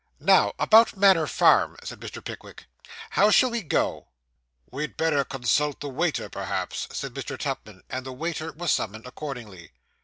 'Now, about Manor Farm,' said Mr. Pickwick. 'How shall we go?' 'We had better consult the waiter, perhaps,' said Mr. Tupman; and the waiter was summoned accordingly.